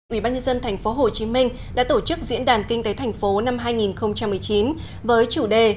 ủy ban nhân dân tp hcm đã tổ chức diễn đàn kinh tế thành phố năm hai nghìn một mươi chín với chủ đề